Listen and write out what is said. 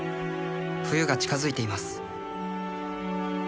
「冬が近づいています」